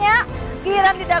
depending viet kita mengambil masa